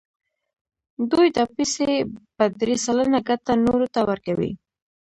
دوی دا پیسې په درې سلنه ګټه نورو ته ورکوي